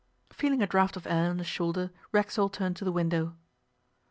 Feeling a draught of air on his shoulder, Racksole turned to the window.